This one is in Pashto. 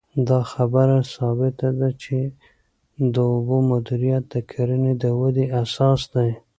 دا خبره ثابته ده چې د اوبو مدیریت د کرنې د ودې اساس دی.